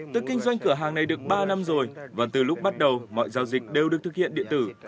từ kinh doanh cửa hàng này được ba năm rồi và từ lúc bắt đầu mọi giao dịch đều được thực hiện điện tử